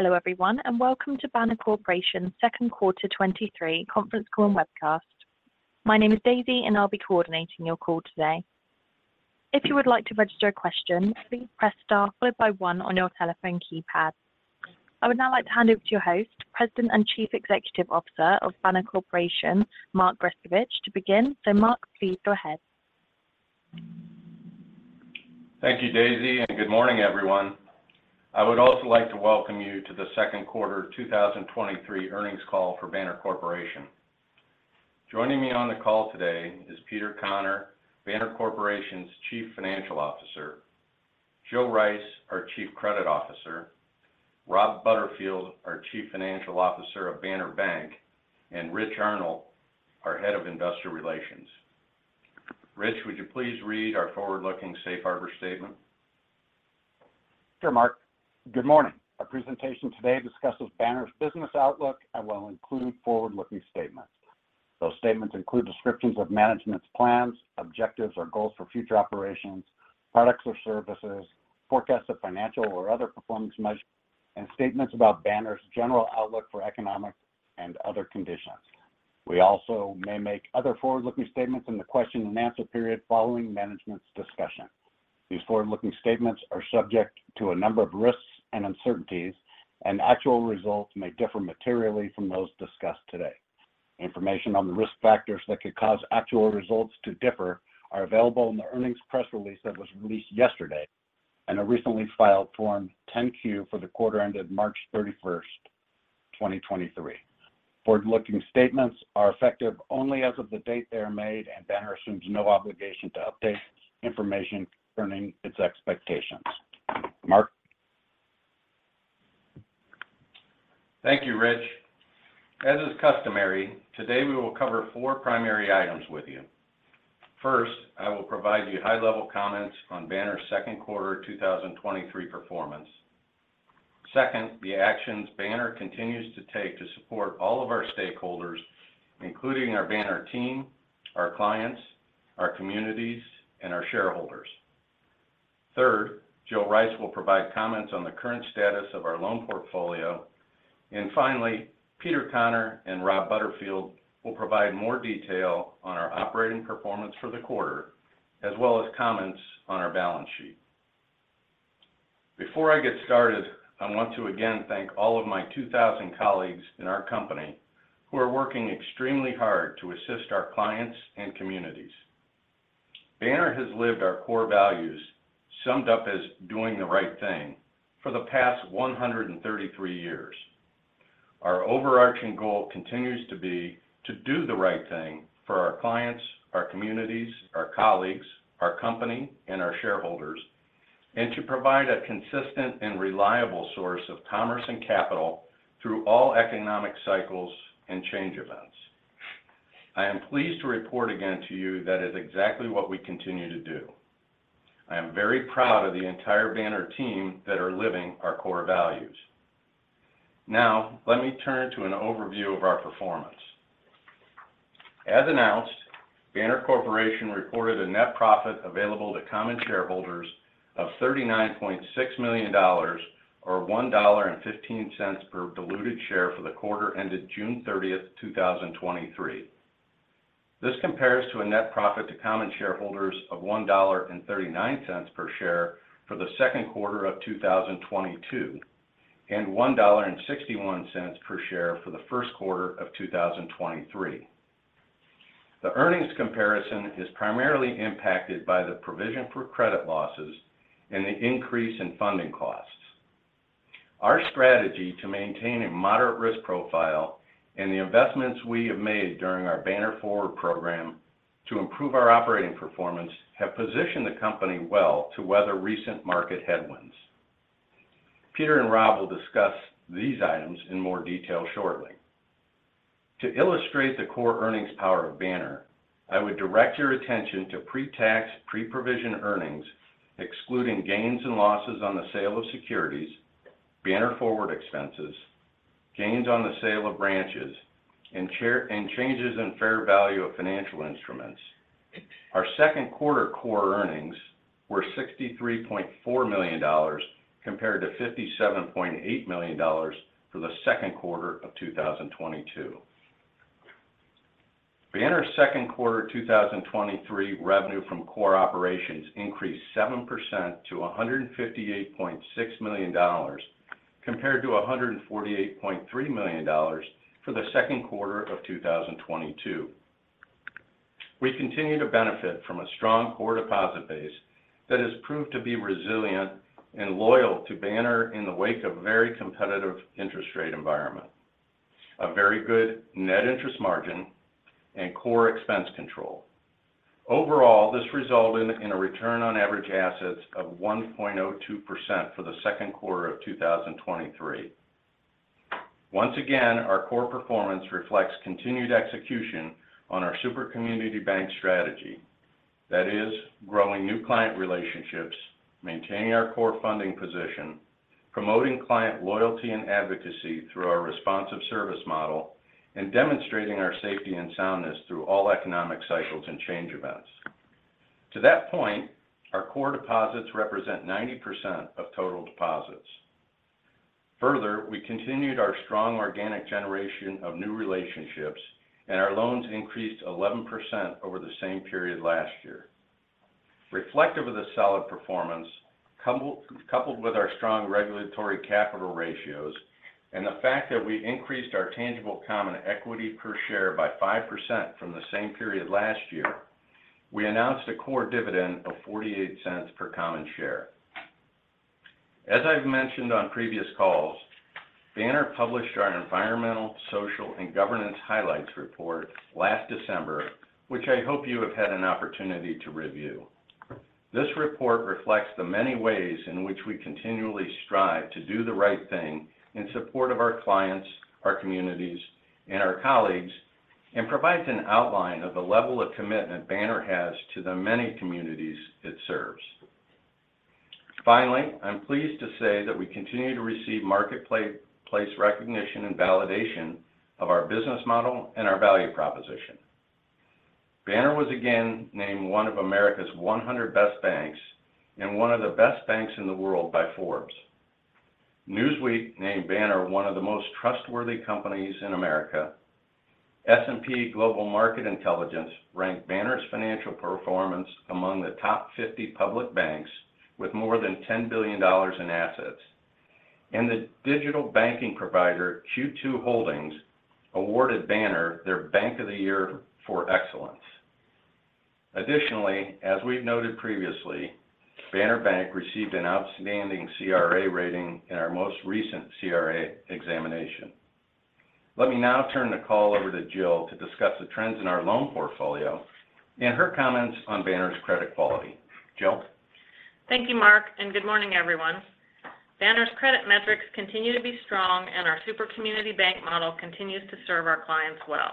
Hello, everyone, and welcome to Banner Corporation's second quarter 2023 conference call and webcast. My name is Daisy, and I'll be coordinating your call today. If you would like to register a question, please press Star followed by one on your telephone keypad. I would now like to hand over to your host, President and Chief Executive Officer of Banner Corporation, Mark Grescovich, to begin. Mark, please go ahead. Thank you, Daisy. Good morning, everyone. I would also like to welcome you to the second quarter 2023 earnings call for Banner Corporation. Joining me on the call today is Peter Conner, Banner Corporation's Chief Financial Officer, Jill Rice, our Chief Credit Officer, Rob Butterfield, our Chief Financial Officer of Banner Bank, and Rich Arnold, our Head of Investor Relations. Rich, would you please read our forward-looking safe harbor statement? Sure, Mark. Good morning. Our presentation today discusses Banner's business outlook and will include forward-looking statements. Those statements include descriptions of management's plans, objectives, or goals for future operations, products or services, forecasts of financial or other performance measures, and statements about Banner's general outlook for economic and other conditions. We also may make other forward-looking statements in the question and answer period following management's discussion. These forward-looking statements are subject to a number of risks and uncertainties. Actual results may differ materially from those discussed today. Information on the risk factors that could cause actual results to differ are available in the earnings press release that was released yesterday and a recently filed Form 10-Q for the quarter ended March 31st, 2023. Forward-looking statements are effective only as of the date they are made. Banner assumes no obligation to update information concerning its expectations. Mark? Thank you, Rich. As is customary, today we will cover four primary items with you. First, I will provide you high-level comments on Banner's second quarter 2023 performance. Second, the actions Banner continues to take to support all of our stakeholders, including our Banner team, our clients, our communities, and our shareholders. Third, Jill Rice will provide comments on the current status of our loan portfolio. Finally, Peter Conner and Rob Butterfield will provide more detail on our operating performance for the quarter, as well as comments on our balance sheet. Before I get started, I want to again thank all of my 2,000 colleagues in our company who are working extremely hard to assist our clients and communities. Banner has lived our core values, summed up as doing the right thing, for the past 133 years. Our overarching goal continues to be to do the right thing for our clients, our communities, our colleagues, our company, and our shareholders, and to provide a consistent and reliable source of commerce and capital through all economic cycles and change events. I am pleased to report again to you that is exactly what we continue to do. I am very proud of the entire Banner team that are living our core values. Now, let me turn to an overview of our performance. As announced, Banner Corporation reported a net profit available to common shareholders of $39.6 million, or $1.15 per diluted share for the quarter ended June 30th, 2023. This compares to a net profit to common shareholders of $1.39 per share for the second quarter of 2022, and $1.61 per share for the first quarter of 2023. The earnings comparison is primarily impacted by the provision for credit losses and the increase in funding costs. Our strategy to maintain a moderate risk profile and the investments we have made during our Banner Forward program to improve our operating performance have positioned the company well to weather recent market headwinds. Peter and Rob will discuss these items in more detail shortly. To illustrate the core earnings power of Banner, I would direct your attention to pre-tax, pre-provision earnings, excluding gains and losses on the sale of securities, Banner Forward expenses, gains on the sale of branches, and changes in fair value of financial instruments. Our second quarter core earnings were $63.4 million, compared to $57.8 million for the second quarter of 2022. Banner's second quarter 2023 revenue from core operations increased 7% to $158.6 million, compared to $148.3 million for the second quarter of 2022. We continue to benefit from a strong core deposit base that has proved to be resilient and loyal to Banner in the wake of a very competitive interest rate environment, a very good net interest margin, and core expense control. Overall, this resulted in a return on average assets of 1.02% for the second quarter of 2023. Once again, our core performance reflects continued execution on our super community bank strategy. That is, growing new client relationships, maintaining our core funding position, promoting client loyalty and advocacy through our responsive service model, and demonstrating our safety and soundness through all economic cycles and change events. To that point, our core deposits represent 90% of total deposits. We continued our strong organic generation of new relationships, and our loans increased 11% over the same period last year. Reflective of the solid performance, coupled with our strong regulatory capital ratios and the fact that we increased our tangible common equity per share by 5% from the same period last year, we announced a core dividend of $0.48 per common share. As I've mentioned on previous calls, Banner published our environmental, social, and governance highlights report last December, which I hope you have had an opportunity to review. This report reflects the many ways in which we continually strive to do the right thing in support of our clients, our communities, and our colleagues, and provides an outline of the level of commitment Banner has to the many communities it serves. Finally, I'm pleased to say that we continue to receive marketplace recognition and validation of our business model and our value proposition. Banner was again named one of America's 100 best banks and one of the best banks in the world by Forbes. Newsweek named Banner one of the most trustworthy companies in America. S&P Global Market Intelligence ranked Banner's financial performance among the top 50 public banks, with more than $10 billion in assets. The digital banking provider, Q2 Holdings, awarded Banner their Bank of the Year for Excellence. Additionally, as we've noted previously, Banner Bank received an outstanding CRA rating in our most recent CRA examination. Let me now turn the call over to Jill to discuss the trends in our loan portfolio and her comments on Banner's credit quality. Jill? Thank you, Mark. Good morning, everyone. Banner's credit metrics continue to be strong. Our super community bank model continues to serve our clients well.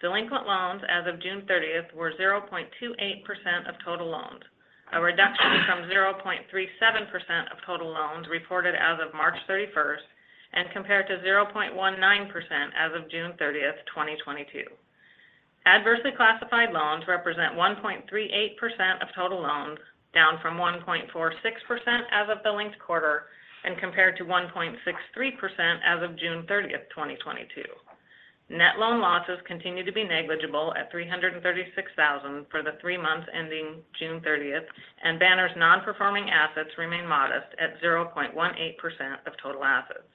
Delinquent loans as of June 30th were 0.28% of total loans, a reduction from 0.37% of total loans reported as of March 31st. Compared to 0.19% as of June 30th, 2022. Adversely classified loans represent 1.38% of total loans, down from 1.46% as of the linked quarter. Compared to 1.63% as of June 30th, 2022. Net loan losses continue to be negligible at $336,000 for the three months ending June 30th. Banner's non-performing assets remain modest at 0.18% of total assets.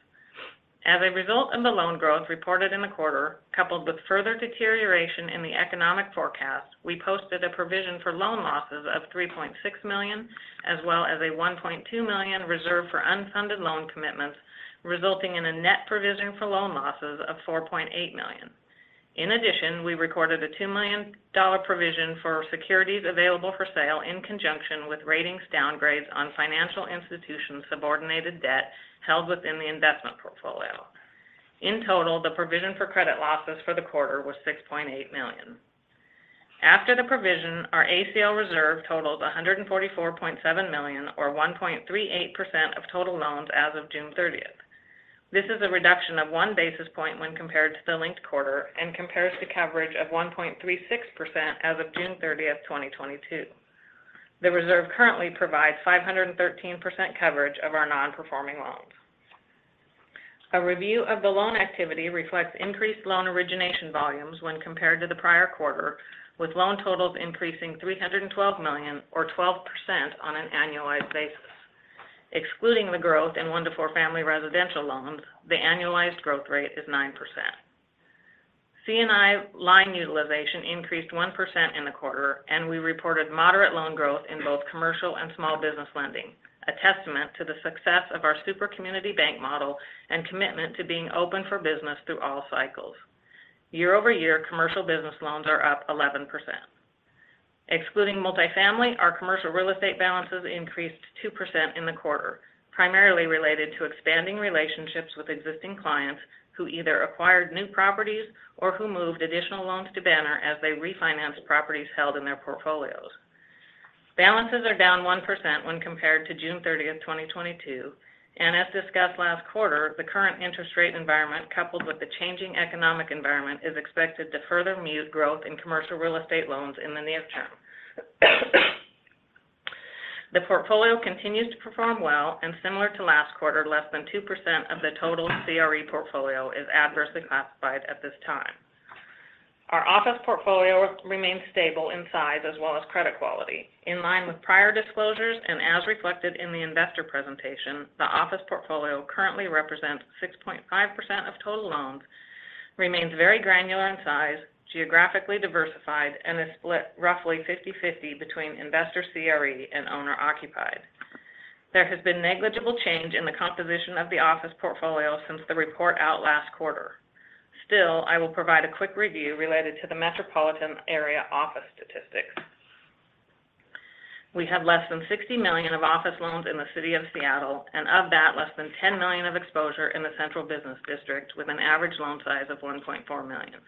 As a result of the loan growth reported in the quarter, coupled with further deterioration in the economic forecast, we posted a provision for loan losses of $3.6 million, as well as a $1.2 million reserve for unfunded loan commitments, resulting in a net provision for loan losses of $4.8 million. In addition, we recorded a $2 million provision for securities available for sale in conjunction with ratings downgrades on financial institution subordinated debt held within the investment portfolio. In total, the provision for credit losses for the quarter was $6.8 million. After the provision, our ACL reserve totaled $144.7 million, or 1.38% of total loans as of June thirtieth. This is a reduction of 1 basis point when compared to the linked quarter and compares to coverage of 1.36% as of June 30, 2022. The reserve currently provides 513% coverage of our non-performing loans. A review of the loan activity reflects increased loan origination volumes when compared to the prior quarter, with loan totals increasing $312 million or 12% on an annualized basis. Excluding the growth in one to four family residential loans, the annualized growth rate is 9%. C&I line utilization increased 1% in the quarter, and we reported moderate loan growth in both commercial and small business lending, a testament to the success of our super community bank model and commitment to being open for business through all cycles. Year-over-year, commercial business loans are up 11%. Excluding multifamily, our commercial real estate balances increased 2% in the quarter, primarily related to expanding relationships with existing clients who either acquired new properties or who moved additional loans to Banner as they refinanced properties held in their portfolios. Balances are down 1% when compared to June 30, 2022. As discussed last quarter, the current interest rate environment, coupled with the changing economic environment, is expected to further mute growth in commercial real estate loans in the near term. The portfolio continues to perform well, and similar to last quarter, less than 2% of the total CRE portfolio is adversely classified at this time. Our office portfolio remains stable in size as well as credit quality. In line with prior disclosures and as reflected in the investor presentation, the office portfolio currently represents 6.5% of total loans, remains very granular in size, geographically diversified, and is split roughly 50/50 between investor CRE and owner occupied. There has been negligible change in the composition of the office portfolio since the report out last quarter. I will provide a quick review related to the metropolitan area office statistics. We have less than $60 million of office loans in the city of Seattle, and of that, less than $10 million of exposure in the central business district, with an average loan size of $1.4 million.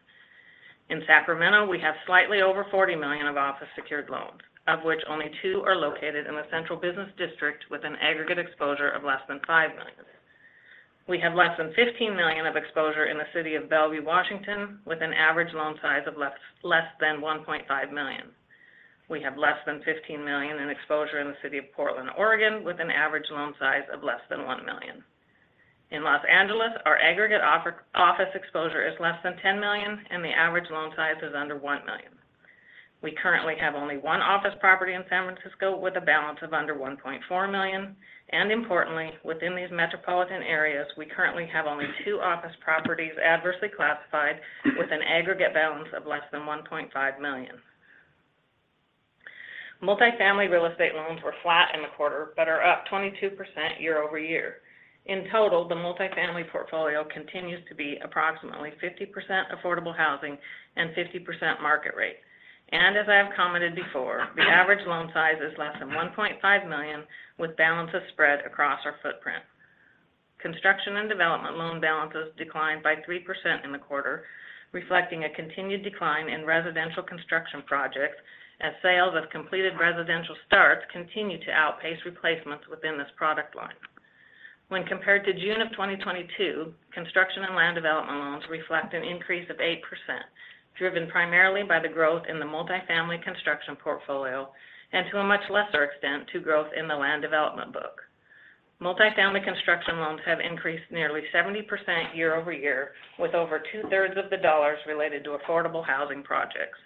In Sacramento, we have slightly over $40 million of office-secured loans, of which only two are located in the central business district with an aggregate exposure of less than $5 million. We have less than $15 million of exposure in the city of Bellevue, Washington, with an average loan size of less than $1.5 million. We have less than $15 million in exposure in the city of Portland, Oregon, with an average loan size of less than $1 million. In Los Angeles, our aggregate office exposure is less than $10 million, and the average loan size is under $1 million. We currently have only one office property in San Francisco with a balance of under $1.4 million, and importantly, within these metropolitan areas, we currently have only two office properties adversely classified with an aggregate balance of less than $1.5 million. Multifamily real estate loans were flat in the quarter. Are up 22% year-over-year. In total, the multifamily portfolio continues to be approximately 50% affordable housing and 50% market rate. As I have commented before, the average loan size is less than $1.5 million, with balances spread across our footprint. Construction and development loan balances declined by 3% in the quarter, reflecting a continued decline in residential construction projects as sales of completed residential starts continue to outpace replacements within this product line. When compared to June of 2022, construction and land development loans reflect an increase of 8%, driven primarily by the growth in the multifamily construction portfolio and to a much lesser extent, to growth in the land development book. Multifamily construction loans have increased nearly 70% year-over-year, with over two-thirds of the dollars related to affordable housing projects.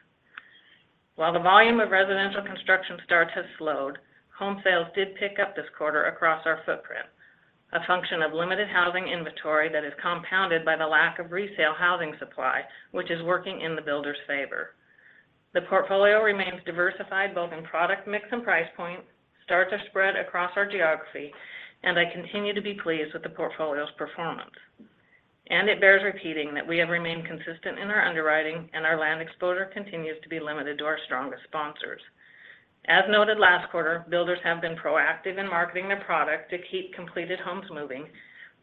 While the volume of residential construction starts has slowed, home sales did pick up this quarter across our footprint, a function of limited housing inventory that is compounded by the lack of resale housing supply, which is working in the builder's favor. The portfolio remains diversified, both in product mix and price point, starts are spread across our geography, and I continue to be pleased with the portfolio's performance. It bears repeating that we have remained consistent in our underwriting, and our land exposure continues to be limited to our strongest sponsors. As noted last quarter, builders have been proactive in marketing their product to keep completed homes moving.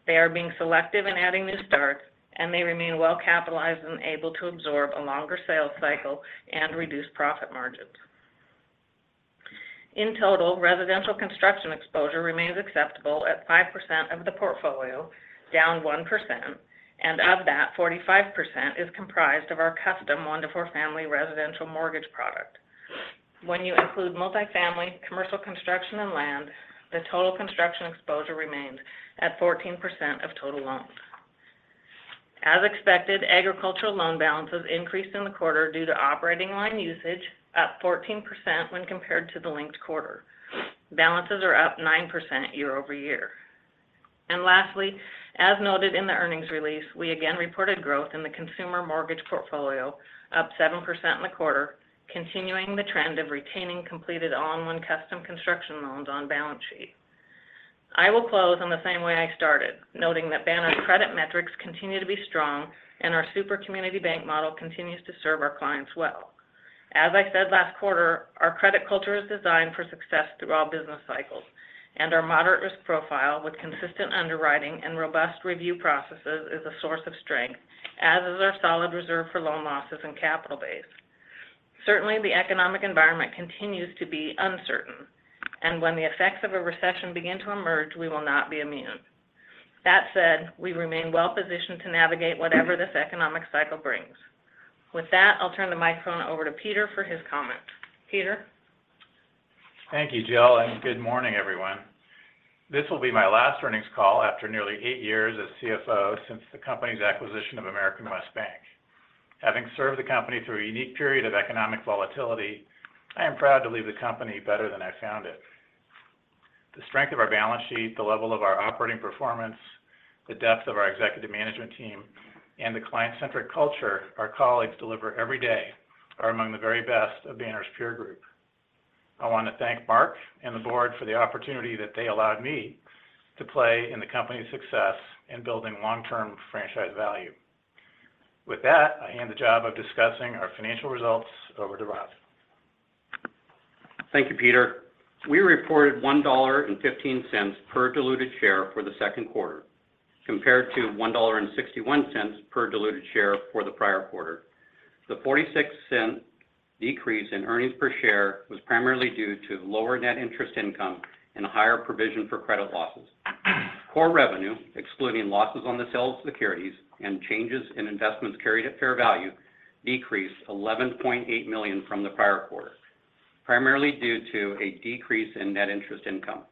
They are being selective in adding new starts, and they remain well capitalized and able to absorb a longer sales cycle and reduce profit margins. In total, residential construction exposure remains acceptable at 5% of the portfolio, down 1%, and of that, 45% is comprised of our custom one to four family residential mortgage product. When you include multifamily, commercial construction, and land, the total construction exposure remains at 14% of total loans. As expected, agricultural loan balances increased in the quarter due to operating line usage, up 14% when compared to the linked quarter. Balances are up 9% year-over-year. Lastly, as noted in the earnings release, we again reported growth in the consumer mortgage portfolio, up 7% in the quarter, continuing the trend of retaining completed all-in-one custom construction loans on balance sheet. I will close in the same way I started, noting that Banner's credit metrics continue to be strong and our super community bank model continues to serve our clients well. As I said last quarter, our credit culture is designed for success through all business cycles, and our moderate risk profile with consistent underwriting and robust review processes is a source of strength, as is our solid reserve for loan losses and capital base. Certainly, the economic environment continues to be uncertain, and when the effects of a recession begin to emerge, we will not be immune. That said, we remain well-positioned to navigate whatever this economic cycle brings. With that, I'll turn the microphone over to Peter for his comment. Peter? Thank you, Jill, and good morning, everyone. This will be my last earnings call after nearly eight years as CFO since the company's acquisition of AmericanWest Bank. Having served the company through a unique period of economic volatility, I am proud to leave the company better than I found it. The strength of our balance sheet, the level of our operating performance, the depth of our executive management team, and the client-centric culture our colleagues deliver every day, are among the very best of Banner's peer group. I want to thank Mark and the board for the opportunity that they allowed me to play in the company's success in building long-term franchise value. With that, I hand the job of discussing our financial results over to Rob. Thank you, Peter. We reported $1.15 per diluted share for the second quarter, compared to $1.61 per diluted share for the prior quarter. The $0.46 decrease in earnings per share was primarily due to lower net interest income and higher provision for credit losses. Core revenue, excluding losses on the sale of securities and changes in investments carried at fair value, decreased $11.8 million from the prior quarter, primarily due to a decrease in net interest income.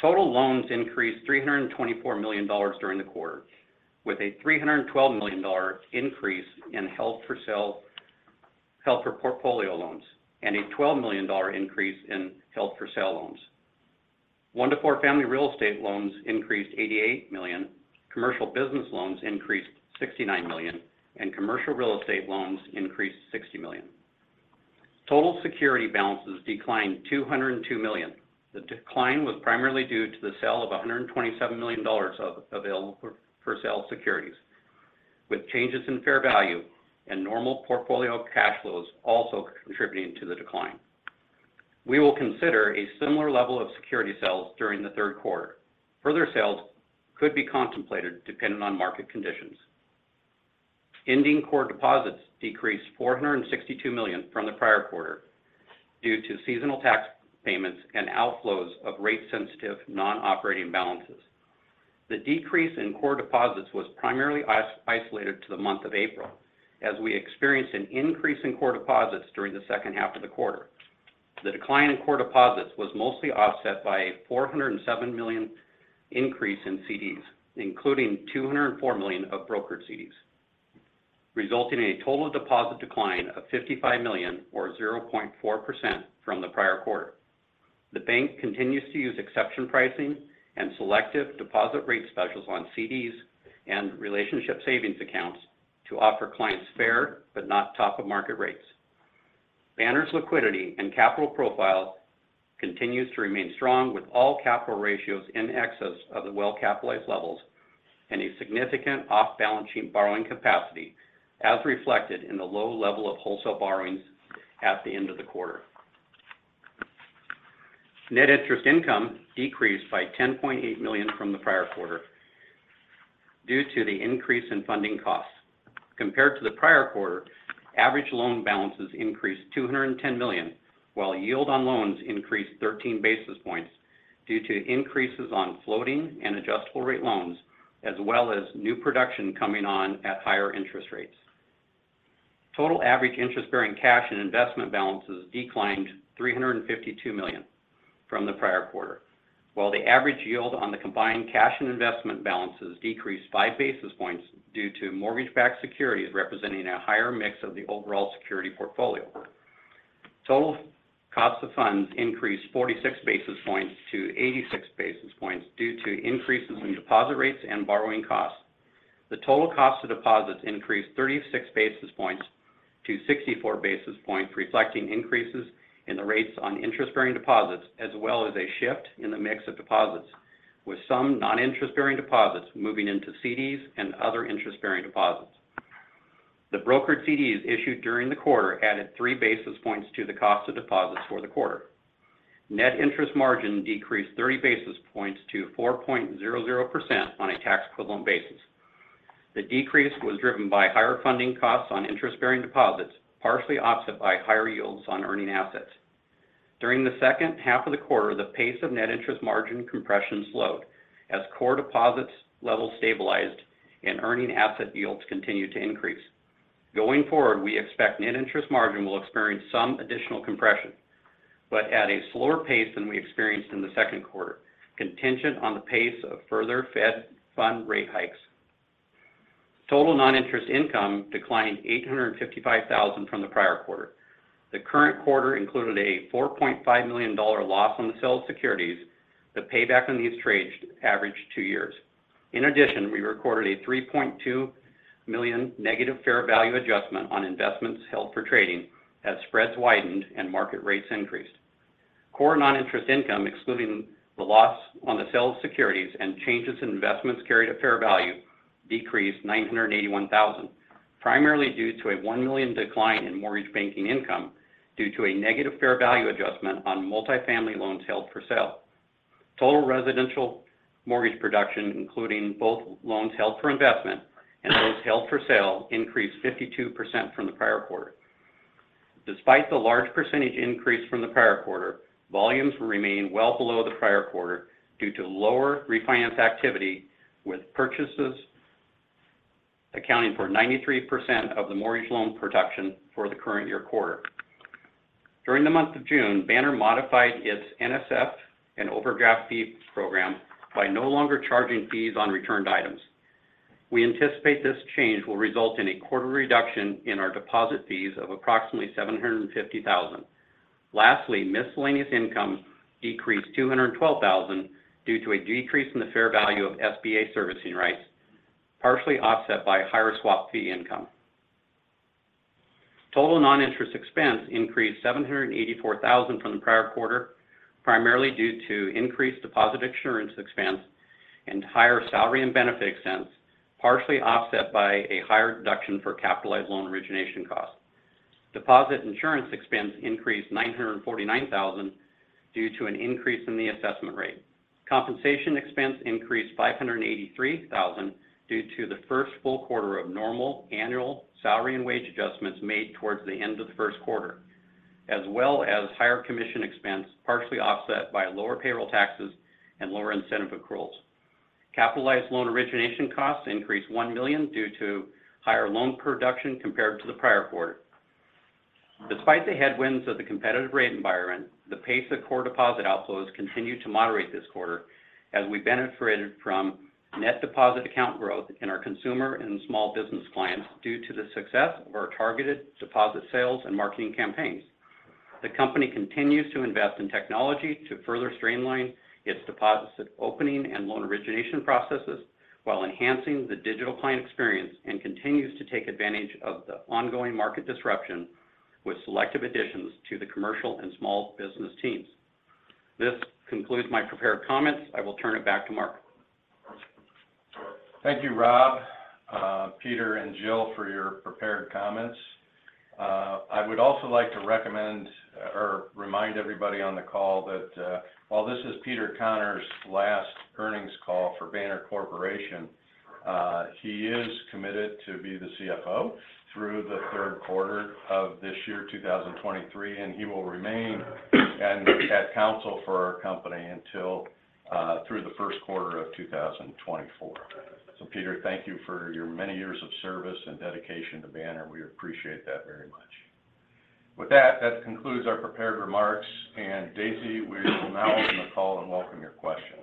Total loans increased $324 million during the quarter, with a $312 million increase in held for portfolio loans and a $12 million increase in held for sale loans. One to four family real estate loans increased $88 million, commercial business loans increased $69 million, and commercial real estate loans increased $60 million. Total security balances declined $202 million. The decline was primarily due to the sale of $127 million of available for sale securities, with changes in fair value and normal portfolio cash flows also contributing to the decline. We will consider a similar level of security sales during the third quarter. Further sales could be contemplated depending on market conditions. Ending core deposits decreased $462 million from the prior quarter due to seasonal tax payments and outflows of rate-sensitive, non-operating balances. The decrease in core deposits was primarily isolated to the month of April, as we experienced an increase in core deposits during the second half of the quarter. The decline in core deposits was mostly offset by a $407 million increase in CDs, including $204 million of brokered CDs, resulting in a total deposit decline of $55 million or 0.4% from the prior quarter. The bank continues to use exception pricing and selective deposit rate specials on CDs and relationship savings accounts to offer clients fair, but not top of market rates. Banner's liquidity and capital profile continues to remain strong, with all capital ratios in excess of the well-capitalized levels and a significant off-balance sheet borrowing capacity, as reflected in the low level of wholesale borrowings at the end of the quarter. Net interest income decreased by $10.8 million from the prior quarter due to the increase in funding costs. Compared to the prior quarter, average loan balances increased $210 million, while yield on loans increased 13 basis points due to increases on floating and adjustable rate loans, as well as new production coming on at higher interest rates. Total average interest-bearing cash and investment balances declined $352 million from the prior quarter, while the average yield on the combined cash and investment balances decreased 5 basis points due to mortgage-backed securities, representing a higher mix of the overall security portfolio. Total cost of funds increased 46 basis points-86 basis points due to increases in deposit rates and borrowing costs. The total cost of deposits increased 36 basis points-64 basis points, reflecting increases in the rates on interest-bearing deposits, as well as a shift in the mix of deposits, with some non-interest bearing deposits moving into CDs and other interest-bearing deposits. The brokered CDs issued during the quarter added 3 basis points to the cost of deposits for the quarter. Net interest margin decreased 30 basis points to 4.00% on a tax equivalent basis. The decrease was driven by higher funding costs on interest-bearing deposits, partially offset by higher yields on earning assets. During the second half of the quarter, the pace of net interest margin compression slowed as core deposits level stabilized and earning asset yields continued to increase. Going forward, we expect net interest margin will experience some additional compression, but at a slower pace than we experienced in the second quarter, contingent on the pace of further Fed fund rate hikes. Total non-interest income declined $855,000 from the prior quarter. The current quarter included a $4.5 million loss on the sale of securities. The payback on these trades averaged two years. In addition, we recorded a $3.2 million negative fair value adjustment on investments held for trading, as spreads widened and market rates increased. Core non-interest income, excluding the loss on the sale of securities and changes in investments carried at fair value, decreased $981,000, primarily due to a $1 million decline in mortgage banking income due to a negative fair value adjustment on multifamily loans held for sale. Total residential mortgage production, including both loans held for investment and those held for sale, increased 52% from the prior quarter. Despite the large percentage increase from the prior quarter, volumes remain well below the prior quarter due to lower refinance activity, with purchases accounting for 93% of the mortgage loan production for the current year quarter. During the month of June, Banner modified its NSF and overdraft fee program by no longer charging fees on returned items. We anticipate this change will result in a quarter reduction in our deposit fees of approximately $750,000. Miscellaneous income decreased $212,000 due to a decrease in the fair value of SBA servicing rights, partially offset by higher swap fee income. Total non-interest expense increased $784,000 from the prior quarter, primarily due to increased deposit insurance expense and higher salary and benefit expense, partially offset by a higher deduction for capitalized loan origination costs. Deposit insurance expense increased $949,000 due to an increase in the assessment rate. Compensation expense increased $583,000 due to the first full quarter of normal annual salary and wage adjustments made towards the end of the first quarter, as well as higher commission expense, partially offset by lower payroll taxes and lower incentive accruals. Capitalized loan origination costs increased $1 million due to higher loan production compared to the prior quarter. Despite the headwinds of the competitive rate environment, the pace of core deposit outflows continued to moderate this quarter as we benefited from net deposit account growth in our consumer and small business clients due to the success of our targeted deposit sales and marketing campaigns. The company continues to invest in technology to further streamline its deposit opening and loan origination processes while enhancing the digital client experience, and continues to take advantage of the ongoing market disruption with selective additions to the commercial and small business teams. This concludes my prepared comments. I will turn it back to Mark. Thank you, Rob, Peter, and Jill, for your prepared comments. I would also like to recommend or remind everybody on the call that, while this is Peter Conner's last earnings call for Banner Corporation, he is committed to be the CFO through the third quarter of this year, 2023, and he will remain and at council for our company until through the first quarter of 2024. Peter, thank you for your many years of service and dedication to Banner. We appreciate that very much. With that concludes our prepared remarks. Daisy, we will now open the call and welcome your questions.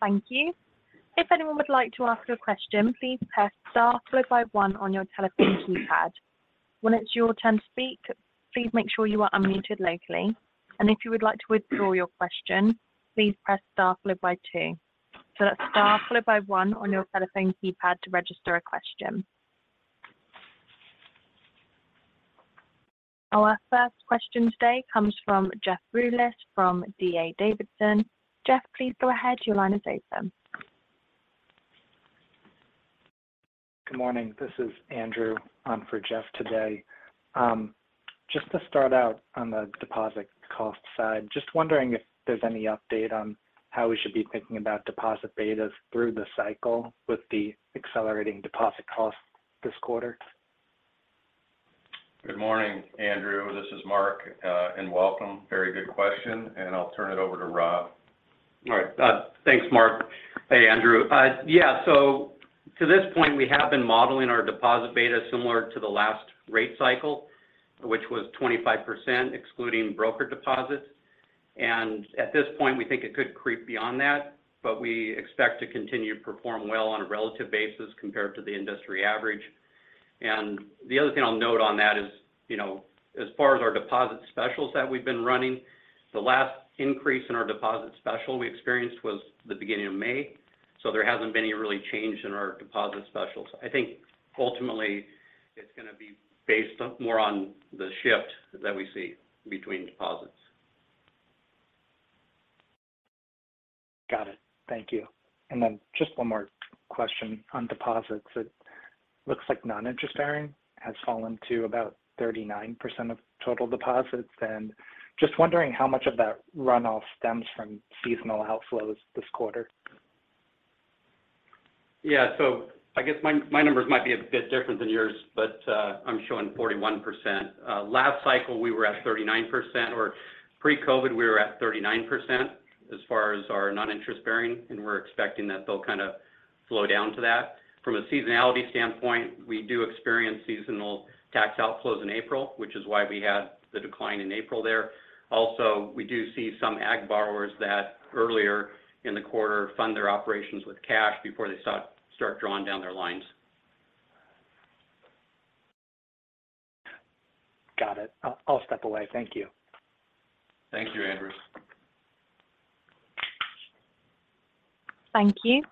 Thank you. If anyone would like to ask a question, please press star followed by one on your telephone keypad. When it's your turn to speak, please make sure you are unmuted locally, and if you would like to withdraw your question, please press star followed by two. That's star followed by one on your telephone keypad to register a question. Our first question today comes from Jeff Rulis from D.A. Davidson. Jeff, please go ahead. Your line is open. Good morning. This is Andrew for Jeff today. Just to start out on the deposit cost side, just wondering if there's any update on how we should be thinking about deposit betas through the cycle with the accelerating deposit costs this quarter? Good morning, Andrew. This is Mark, and welcome. Very good question, and I'll turn it over to Rob. All right. Thanks, Mark. Hey, Andrew. Yeah, so to this point, we have been modeling our deposit beta similar to the last rate cycle, which was 25%, excluding broker deposits. At this point, we think it could creep beyond that, but we expect to continue to perform well on a relative basis compared to the industry average. The other thing I'll note on that is, you know, as far as our deposit specials that we've been running, the last increase in our deposit special we experienced was the beginning of May, so there hasn't been any really change in our deposit specials. I think ultimately, it's going to be based on more on the shift that we see between deposits. Got it. Thank you. Then just one more question on deposits. It looks like non-interest bearing has fallen to about 39% of total deposits. Just wondering how much of that runoff stems from seasonal outflows this quarter? Yeah. I guess my numbers might be a bit different than yours, but, I'm showing 41%. last cycle, we were at 39%, or pre-COVID, we were at 39% as far as our non-interest bearing, and we're expecting that they'll kind of flow down to that. From a seasonality standpoint, we do experience seasonal tax outflows in April, which is why we had the decline in April there. Also, we do see some ag borrowers that earlier in the quarter fund their operations with cash before they start drawing down their lines. Got it. I'll step away. Thank you. Thank you, Andrew. Thank you.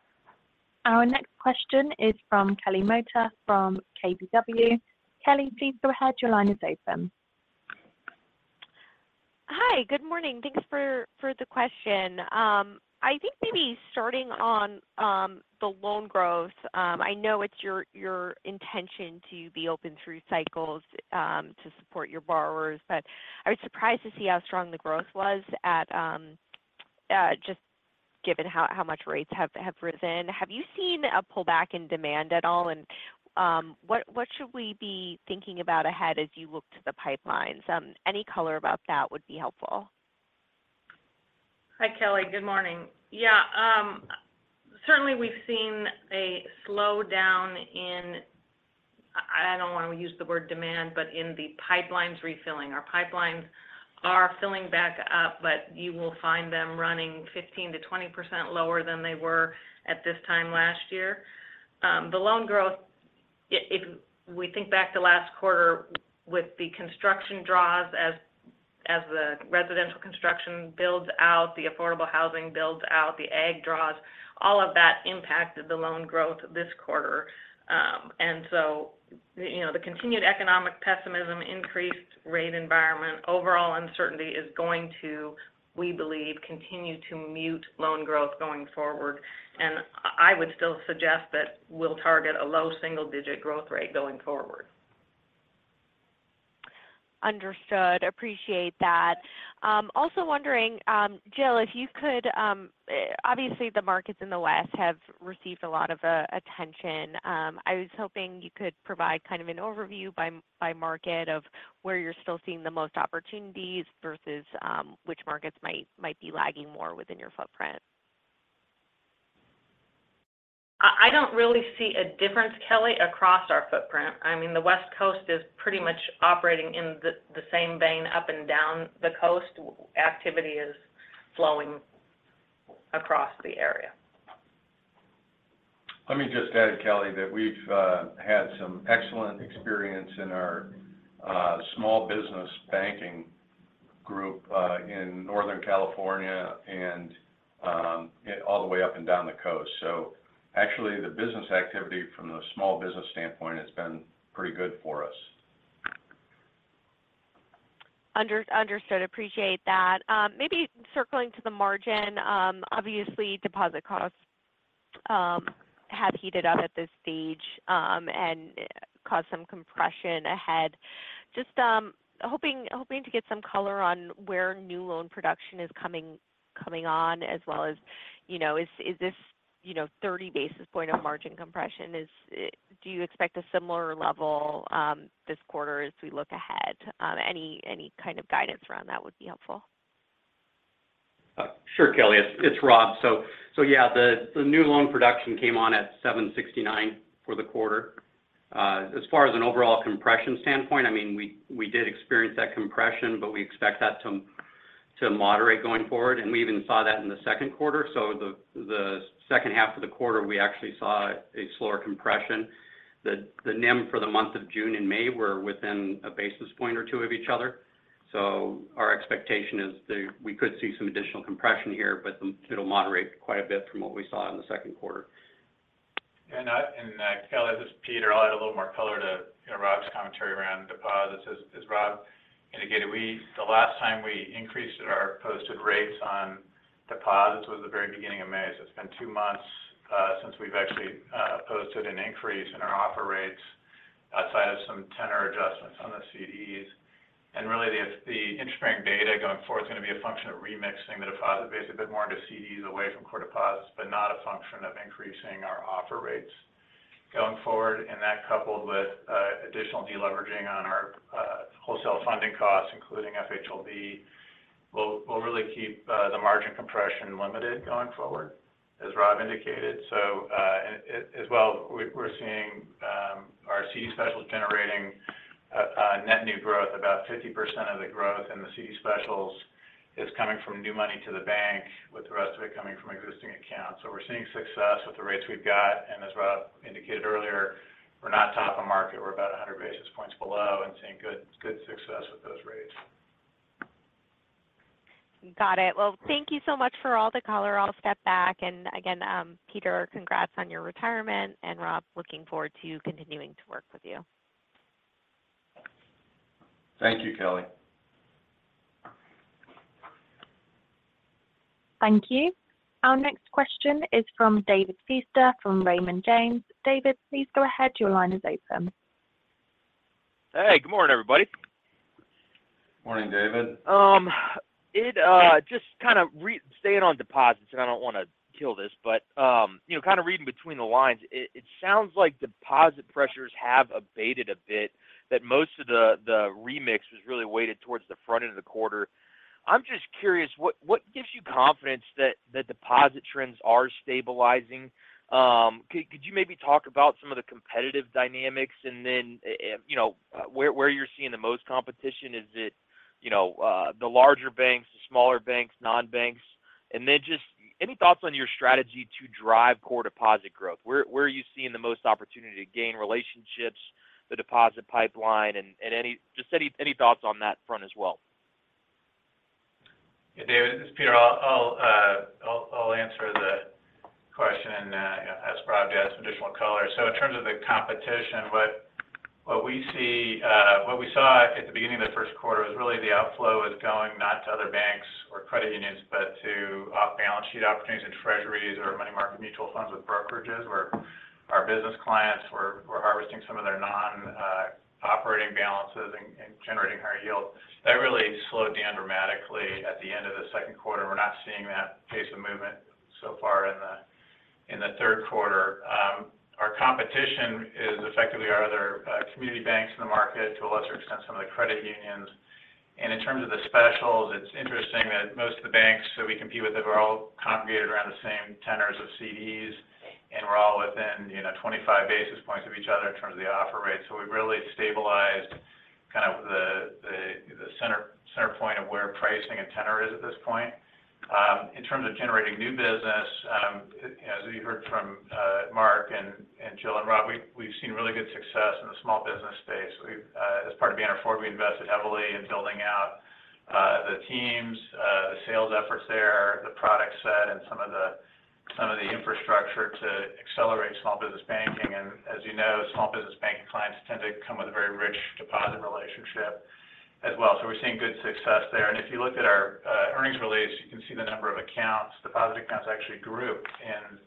Our next question is from Kelly Motta from KBW. Kelly, please go ahead. Your line is open. Hi, good morning. Thanks for the question. I think maybe starting on the loan growth, I know it's your intention to be open through cycles, to support your borrowers, but I was surprised to see how strong the growth was at just given how much rates have risen. Have you seen a pullback in demand at all? What, what should we be thinking about ahead as you look to the pipelines? Any color about that would be helpful. Hi, Kelly. Good morning. Yeah, certainly we've seen a slowdown in, I don't want to use the word demand, but in the pipelines refilling. Our pipelines are filling back up. You will find them running 15%-20% lower than they were at this time last year. The loan growth, it, we think back to last quarter with the construction draws as the residential construction builds out, the affordable housing builds out, the ag draws, all of that impacted the loan growth this quarter. So, you know, the continued economic pessimism, increased rate environment, overall uncertainty is going to, we believe, continue to mute loan growth going forward. I would still suggest that we'll target a low single-digit growth rate going forward. Understood. Appreciate that. Also wondering, Jill, if you could, obviously, the markets in the West have received a lot of attention. I was hoping you could provide kind of an overview by market of where you're still seeing the most opportunities versus which markets might be lagging more within your footprint. I don't really see a difference, Kelly, across our footprint. I mean, the West Coast is pretty much operating in the same vein up and down the coast. Activity is flowing across the area. Let me just add, Kelly, that we've had some excellent experience in our small business banking group in Northern California and all the way up and down the coast. Actually, the business activity from the small business standpoint has been pretty good for us. Understood. Appreciate that. Maybe circling to the margin, obviously, deposit costs have heated up at this stage and caused some compression ahead. Just hoping to get some color on where new loan production is coming on, as well as, you know, is this, you know, 30 basis point of margin compression? Do you expect a similar level this quarter as we look ahead? Any kind of guidance around that would be helpful. Sure, Kelly, it's Rob. Yeah, the new loan production came on at 7.69% for the quarter. As far as an overall compression standpoint, I mean, we did experience that compression, but we expect that to moderate going forward, and we even saw that in the second quarter. The second half of the quarter, we actually saw a slower compression. The NIM for the month of June and May were within 1 or 2 basis points of each other. Our expectation is that we could see some additional compression here, but it'll moderate quite a bit from what we saw in the second quarter. Kelly, this is Peter. I'll add a little more color to, you know, Rob's commentary around deposits. As Rob indicated, the last time we increased our posted rates on deposits was the very beginning of May. It's been two months since we've actually posted an increase in our offer rates outside of some tenor adjustments on the CDs. Really, the interesting data going forward is going to be a function of remixing the deposit base a bit more into CDs away from core deposits, but not a function of increasing our offer rates going forward. That, coupled with additional deleveraging on our wholesale funding costs, including FHLB, will really keep the margin compression limited going forward, as Rob indicated. As well, we're seeing our CD specials generating net new growth. About 50% of the growth in the CD specials is coming from new money to the bank, with the rest of it coming from existing accounts. We're seeing success with the rates we've got, and as Rob indicated earlier, we're not top of market. We're about 100 basis points below and seeing good success with those rates. Got it. Well, thank you so much for all the color. I'll step back. Again, Peter, congrats on your retirement, and Rob, looking forward to continuing to work with you. Thank you, Kelly. Thank you. Our next question is from David Feaster from Raymond James. David, please go ahead. Your line is open. Hey, good morning, everybody. Morning, David. It, just kind of staying on deposits, and I don't want to kill this, but, you know, kind of reading between the lines, it sounds like deposit pressures have abated a bit, that most of the remix was really weighted towards the front end of the quarter. I'm just curious, what gives you confidence that the deposit trends are stabilizing? Could you maybe talk about some of the competitive dynamics and then, you know, where you're seeing the most competition? Is it, you know, the larger banks, the smaller banks, non-banks? Just any thoughts on your strategy to drive core deposit growth? Where are you seeing the most opportunity to gain relationships, the deposit pipeline, and any thoughts on that front as well? David, this is Peter. I'll answer the question as Rob to add some additional color. In terms of the competition, what we see, what we saw at the beginning of the first quarter was really the outflow is going not to other banks or credit unions, but to off-balance sheet opportunities in Treasuries or money market mutual funds with brokerages, where our business clients were harvesting some of their non operating balances and generating higher yields. That really slowed down dramatically at the end of the second quarter. We're not seeing that pace of movement so far in the third quarter. Our competition is effectively our other community banks in the market, to a lesser extent, some of the credit unions. In terms of the specials, it's interesting that most of the banks that we compete with are all congregated around the same tenors of CDs, and we're all within, you know, 25 basis points of each other in terms of the offer rate. We've really stabilized kind of the center point of where pricing and tenor is at this point. In terms of generating new business, as you heard from Mark and Jill and Rob, we've seen really good success in the small business space. We've as part of Banner Forward, we invested heavily in building out the teams, the sales efforts there, the product set, and some of the infrastructure to accelerate small business banking. As you know, small business banking clients tend to come with a very rich deposit relationship as well. We're seeing good success there. If you look at our earnings release, you can see the number of accounts. Deposit accounts actually grew in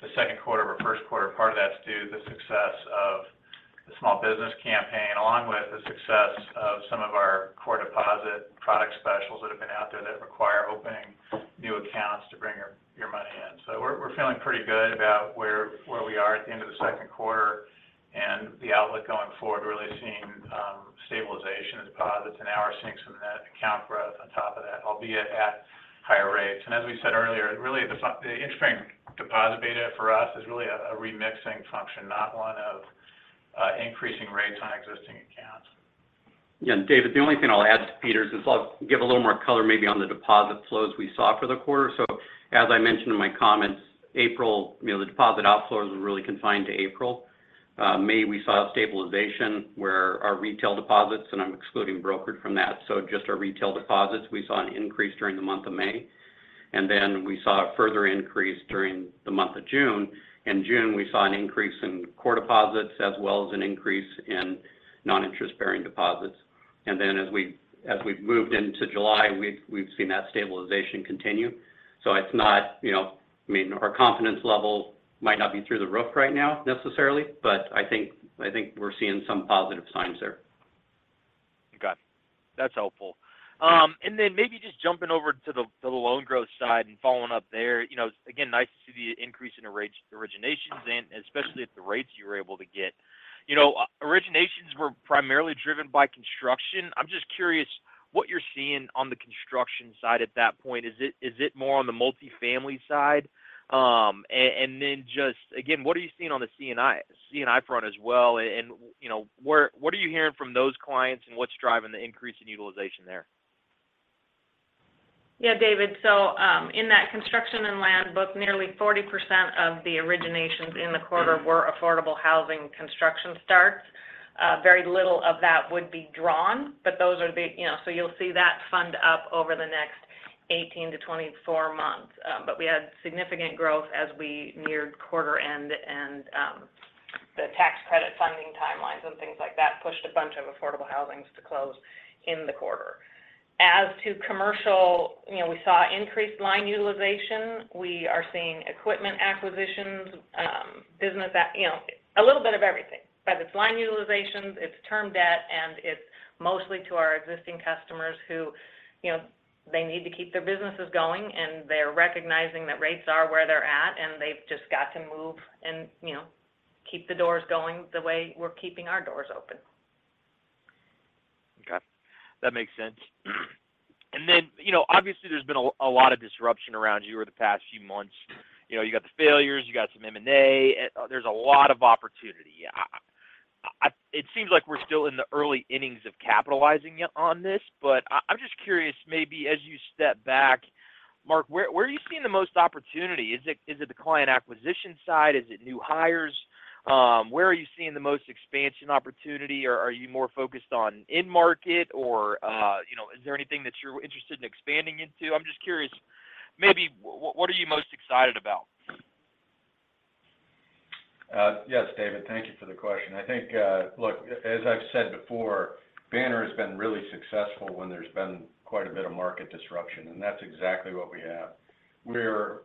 the second quarter over first quarter. Part of that's due to the success of the small business campaign, along with the success of some of our core deposit product specials that have been out there that require opening new accounts to bring your money in. We're feeling pretty good about where we are at the end of the second quarter and the outlook going forward, really seeing stabilization as deposits and organic wins from that account growth on top of that, albeit at higher rates. As we said earlier, really, the interesting deposit beta for us is really a remixing function, not one of increasing rates on existing accounts. Yeah, David, the only thing I'll add to Peter's is I'll give a little more color maybe on the deposit flows we saw for the quarter. As I mentioned in my comments, April, you know, the deposit outflows were really confined to April. May, we saw a stabilization where our retail deposits, and I'm excluding brokered from that, so just our retail deposits, we saw an increase during the month of May. We saw a further increase during the month of June. In June, we saw an increase in core deposits as well as an increase in non-interest-bearing deposits. As we've moved into July, we've seen that stabilization continue. It's not, you know, I mean, our confidence level might not be through the roof right now necessarily, but I think, I think we're seeing some positive signs there. Got it. That's helpful. Then maybe just jumping over to the, to the loan growth side and following up there, you know, again, nice to see the increase in the originations and especially at the rates you were able to get. Originations were primarily driven by construction. I'm just curious what you're seeing on the construction side at that point. Is it more on the multifamily side? Then just again, what are you seeing on the C&I front as well? You know, what are you hearing from those clients, and what's driving the increase in utilization there? David. In that construction and land book, nearly 40% of the originations in the quarter were affordable housing construction starts. Very little of that would be drawn, but those are, you know, so you'll see that fund up over the next 18-24 months. We had significant growth as we neared quarter end, and the tax credit funding timelines and things like that pushed a bunch of affordable housings to close in the quarter. As to commercial, you know, we saw increased line utilization. We are seeing equipment acquisitions, business you know, a little bit of everything, whether it's line utilizations, it's term debt, and it's mostly to our existing customers who, you know, they need to keep their businesses going, and they're recognizing that rates are where they're at, and they've just got to move and, you know, keep the doors going the way we're keeping our doors open. Okay. That makes sense. Then, you know, obviously, there's been a lot of disruption around you over the past few months. You know, you got the failures, you got some M&A, there's a lot of opportunity. It seems like we're still in the early innings of capitalizing on this, but I'm just curious, maybe as you step back, Mark, where are you seeing the most opportunity? Is it the client acquisition side? Is it new hires? Where are you seeing the most expansion opportunity, or are you more focused on in-market, or, you know, is there anything that you're interested in expanding into? I'm just curious, maybe what are you most excited about? Yes, David. Thank you for the question. I think, look, as I've said before, Banner has been really successful when there's been quite a bit of market disruption. That's exactly what we have. We're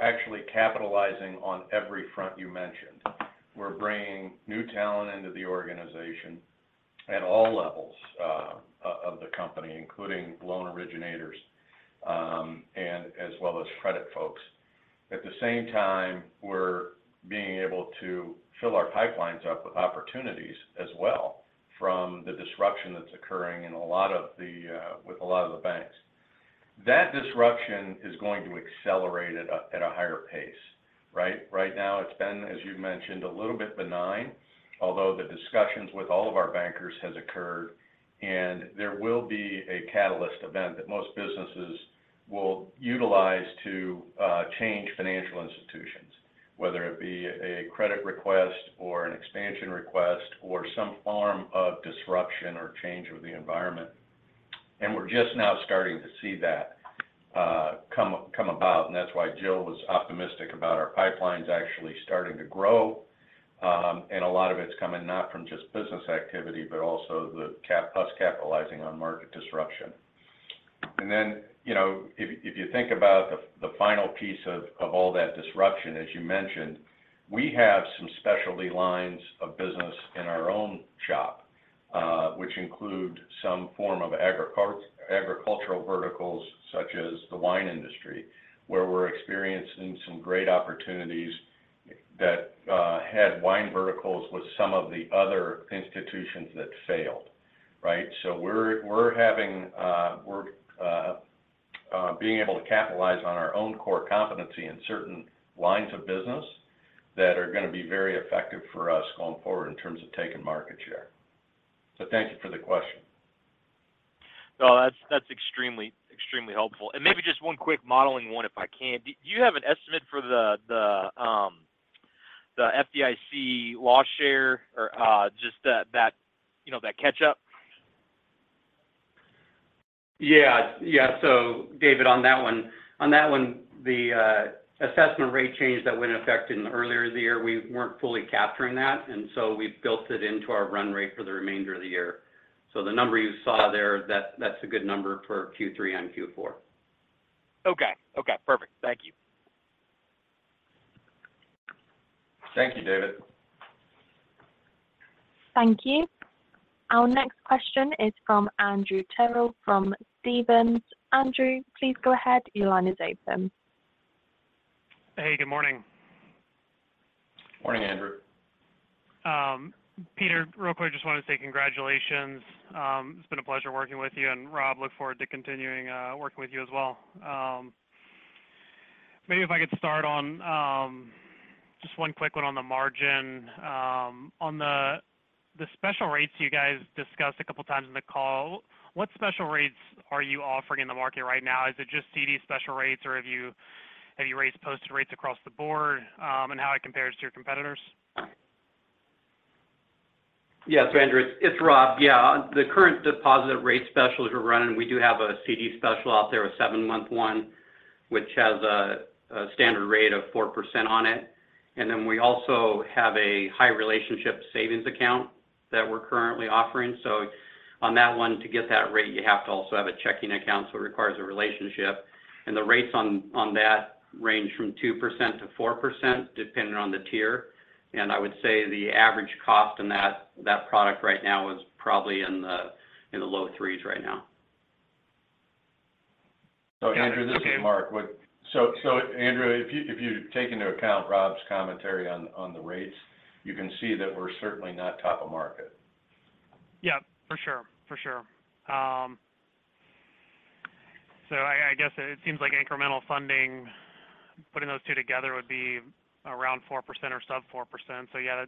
actually capitalizing on every front you mentioned. We're bringing new talent into the organization at all levels of the company, including loan originators, and as well as credit folks. At the same time, we're being able to fill our pipelines up with opportunities as well from the disruption that's occurring in a lot of the with a lot of the banks. That disruption is going to accelerate at a higher pace, right? Right now, it's been, as you mentioned, a little bit benign, although the discussions with all of our bankers has occurred, and there will be a catalyst event that most businesses will utilize to change financial institutions, whether it be a credit request or an expansion request or some form of disruption or change of the environment. We're just now starting to see that come about, and that's why Jill was optimistic about our pipelines actually starting to grow. A lot of it's coming not from just business activity, but also capitalizing on market disruption. You know, if you think about the final piece of all that disruption, as you mentioned, we have some specialty lines of business in our own shop, which include some form of agricultural verticals, such as the wine industry, where we're experiencing some great opportunities that had wine verticals with some of the other institutions that failed, right? We're having, we're being able to capitalize on our own core competency in certain lines of business that are gonna be very effective for us going forward in terms of taking market share. Thank you for the question. No, that's extremely helpful. Maybe just one quick modeling one, if I can. Do you have an estimate for the FDIC loss share or just that, you know, that catch-up? Yeah. Yeah. David, on that one, the assessment rate change that went into effect in earlier the year, we weren't fully capturing that, and so we've built it into our run rate for the remainder of the year. The number you saw there, that's a good number for Q3 and Q4. Okay. Okay, perfect. Thank you. Thank you, David. Thank you. Our next question is from Andrew Terrell, from Stephens. Andrew, please go ahead. Your line is open. Hey, good morning. Morning, Andrew. Peter, real quick, just wanted to say congratulations. It's been a pleasure working with you, and Rob, look forward to continuing working with you as well. Maybe if I could start on just one quick one on the margin. On the special rates you guys discussed a couple of times in the call, what special rates are you offering in the market right now? Is it just CD special rates, or have you raised posted rates across the board, and how it compares to your competitors? Yes, Andrew, it's Rob. Yeah, on the current deposit rate specials we're running, we do have a CD special out there, a seven-month one, which has a standard rate of 4% on it. Then we also have a high relationship savings account that we're currently offering. On that one, to get that rate, you have to also have a checking account, so it requires a relationship. The rates on that range from 2%-4%, depending on the tier. I would say the average cost in that product right now is probably in the low 3s right now. Andrew, this is Mark. Andrew, if you take into account Rob's commentary on the rates, you can see that we're certainly not top of market. Yeah, for sure. For sure. I guess it seems like incremental funding, putting those two together would be around 4% or sub 4%.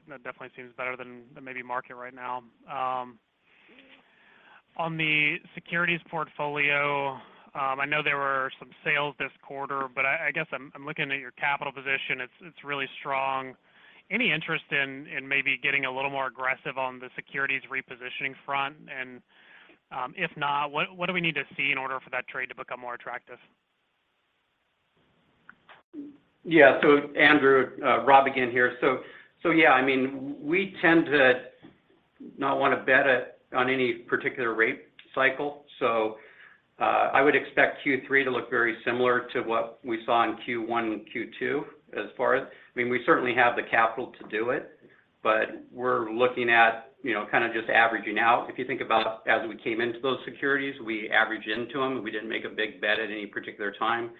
That definitely seems better than the maybe market right now. On the securities portfolio, I know there were some sales this quarter, but I guess I'm looking at your capital position. It's really strong. Any interest in maybe getting a little more aggressive on the securities repositioning front? If not, what do we need to see in order for that trade to become more attractive? Yeah. Andrew, Rob again here. Yeah, I mean, we tend to not want to bet on any particular rate cycle. I would expect Q3 to look very similar to what we saw in Q1 and Q2 as far as, I mean, we certainly have the capital to do it, but we're looking at, you know, kind of just averaging out. If you think about as we came into those securities, we averaged into them. We didn't make a big bet at any particular time,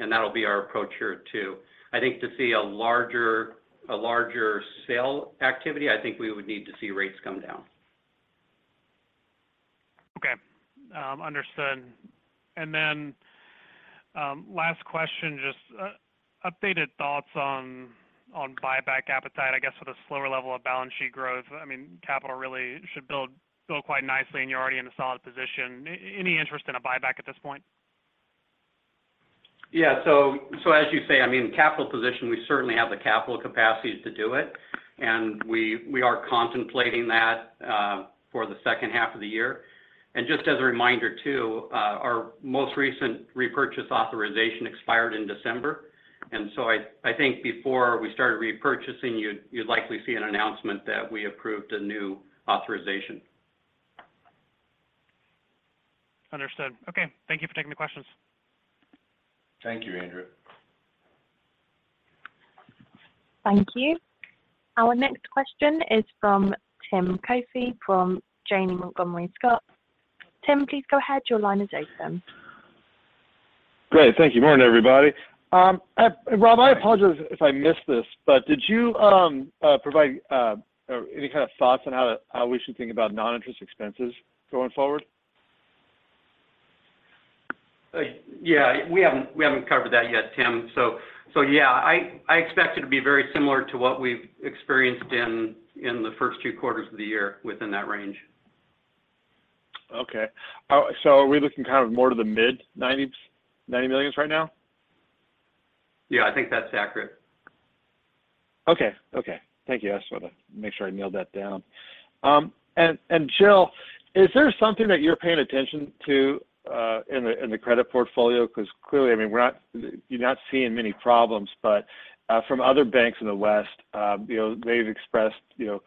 and that'll be our approach here, too. I think to see a larger sale activity, I think we would need to see rates come down. Okay. Understood. Last question, just updated thoughts on buyback appetite, I guess, with a slower level of balance sheet growth. Capital really should build quite nicely, and you're already in a solid position. Any interest in a buyback at this point? Yeah. As you say, I mean, capital position, we certainly have the capital capacity to do it, and we are contemplating that for the second half of the year. Just as a reminder, too, our most recent repurchase authorization expired in December. I think before we started repurchasing, you'd likely see an announcement that we approved a new authorization. Understood. Okay. Thank you for taking the questions. Thank you, Andrew. Thank you. Our next question is from Tim Coffey from Janney Montgomery Scott. Tim, please go ahead. Your line is open. Great. Thank you. Morning, everybody. Rob, I apologize if I missed this, but did you provide or any kind of thoughts on how we should think about non-interest expenses going forward? yeah, we haven't covered that yet, Tim. yeah, I expect it to be very similar to what we've experienced in the first two quarters of the year within that range. Okay. Are we looking kind of more to the mid-90s, $90 million right now? Yeah, I think that's accurate. Okay. Okay. Thank you. I just wanted to make sure I nailed that down. Jill, is there something that you're paying attention to in the credit portfolio? Because clearly, I mean, you're not seeing many problems, but from other banks in the West, you know, they've expressed, you know,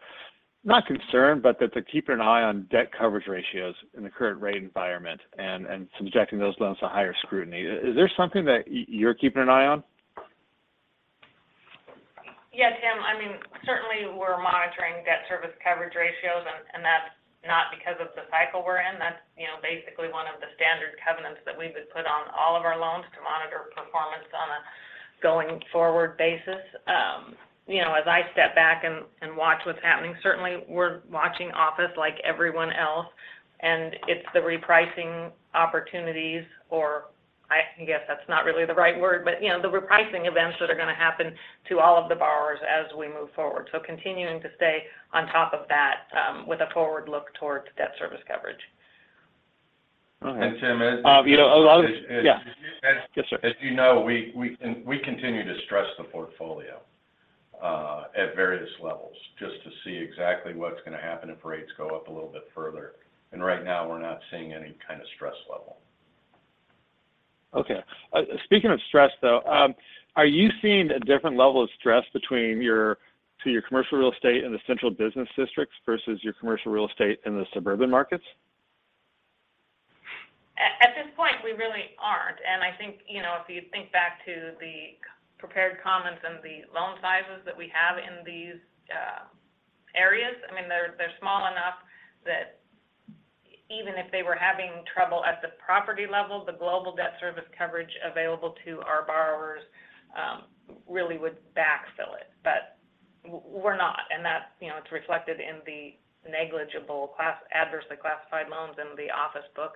not concerned, but that they're keeping an eye on debt coverage ratios in the current rate environment and subjecting those loans to higher scrutiny. Is there something that you're keeping an eye on? Yeah, Tim. I mean, certainly we're monitoring debt service coverage ratios, and that's not because of the cycle we're in. That's, you know, basically one of the standard covenants that we would put on all of our loans to monitor performance on a going-forward basis. You know, as I step back and watch what's happening, certainly we're watching office like everyone else, and it's the repricing opportunities, or I guess that's not really the right word, but, you know, the repricing events that are going to happen to all of the borrowers as we move forward. Continuing to stay on top of that, with a forward look toward debt service coverage. Okay. Tim. Yeah. As you know, we continue to stress the portfolio at various levels just to see exactly what's going to happen if rates go up a little bit further. Right now, we're not seeing any kind of stress level. Okay. Speaking of stress, though, are you seeing a different level of stress between your commercial real estate in the central business districts versus your commercial real estate in the suburban markets? At this point, we really aren't. I think, you know, if you think back to the prepared comments and the loan sizes that we have in these areas, I mean, they're small enough that even if they were having trouble at the property level, the global debt service coverage available to our borrowers really would backfill it. We're not, and that's, you know, it's reflected in the negligible adversely classified loans in the office book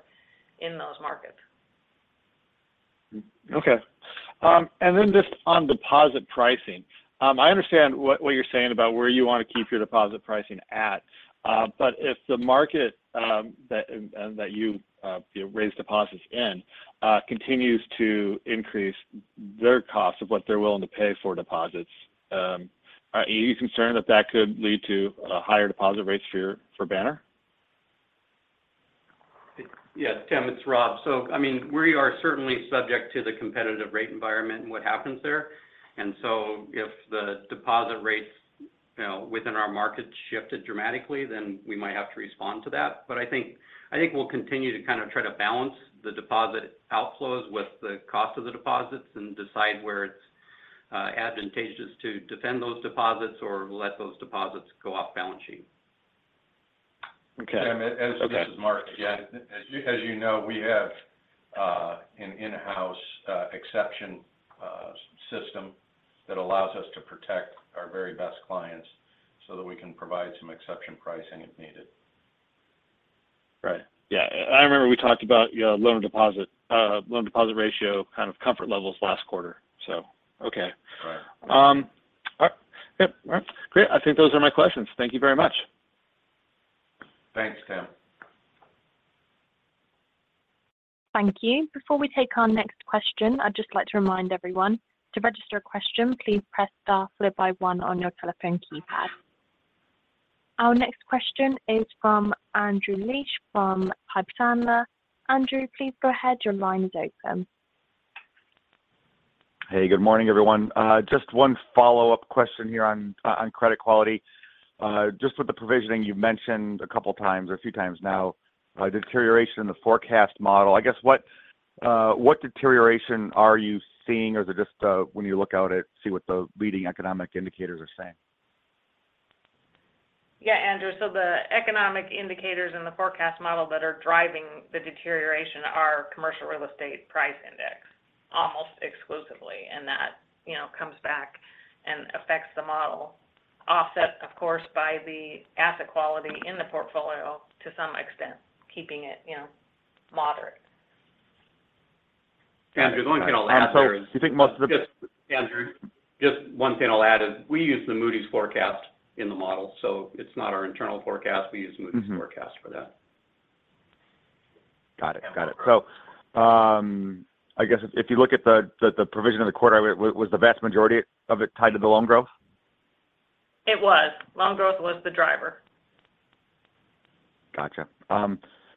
in those markets. Okay. Just on deposit pricing. I understand what you're saying about where you want to keep your deposit pricing at, but if the market, that, and that you, raise deposits in, continues to increase their cost of what they're willing to pay for deposits, are you concerned that that could lead to higher deposit rates for Banner? Yeah, Tim, it's Rob. I mean, we are certainly subject to the competitive rate environment and what happens there. If the deposit rates, within our market shifted dramatically, then we might have to respond to that. I think we'll continue to kind of try to balance the deposit outflows with the cost of the deposits and decide where it's, advantageous to defend those deposits or let those deposits go off balance sheet. Okay. Tim, this is Mark again. As you know, we have an in-house exception system that allows us to protect our very best clients so that we can provide some exception pricing if needed. Yeah, I remember we talked about your loan deposit, loan deposit ratio, kind of comfort levels last quarter. Okay. Right. All right. Yep. All right, great. I think those are my questions. Thank you very much. Thanks, Tim. Thank you. Before we take our next question, I'd just like to remind everyone, to register a question, please press star followed by one on your telephone keypad. Our next question is from Andrew Liesch from Piper Sandler. Andrew, please go ahead. Your line is open. Hey, good morning, everyone. Just one follow-up question here on credit quality. Just with the provisioning, you've mentioned a couple of times or a few times now, the deterioration in the forecast model. I guess, what deterioration are you seeing? Or is it just, when you look out at, see what the leading economic indicators are saying? Yeah, Andrew, the economic indicators and the forecast model that are driving the deterioration are commercial real estate price index, almost exclusively, and that, you know, comes back and affects the model. Offset, of course, by the asset quality in the portfolio to some extent, keeping it, you know, moderate. Andrew, there's one thing I'll add there. Do you think most of the. Andrew, just one thing I'll add is we use the Moody's forecast in the model, so it's not our internal forecast for that. Got it. Got it. I guess if you look at the provision of the quarter, was the vast majority of it tied to the loan growth? It was. Loan growth was the driver. Gotcha.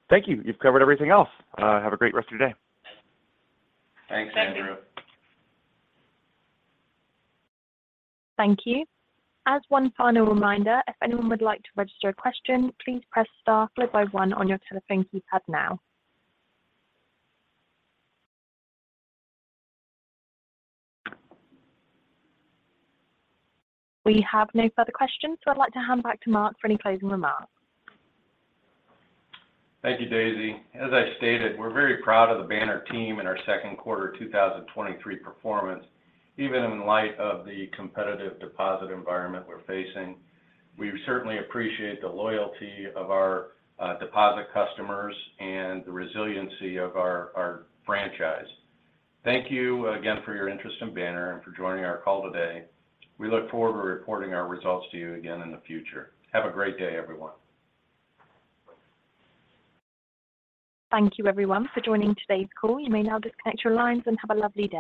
Thank you. You've covered everything else. Have a great rest of your day. Thanks, Andrew. Thank you. Thank you. As one final reminder, if anyone would like to register a question, please press star followed by one on your telephone keypad now. We have no further questions. I'd like to hand back to Mark for any closing remarks. Thank you, Daisy. As I stated, we're very proud of the Banner team and our second quarter of 2023 performance, even in light of the competitive deposit environment we're facing. We certainly appreciate the loyalty of our deposit customers and the resiliency of our franchise. Thank you again for your interest in Banner and for joining our call today. We look forward to reporting our results to you again in the future. Have a great day, everyone. Thank you, everyone, for joining today's call. You may now disconnect your lines and have a lovely day.